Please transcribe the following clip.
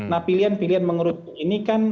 nah pilihan pilihan mengerucut ini kan